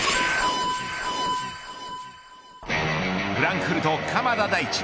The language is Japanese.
フランクフルト鎌田大地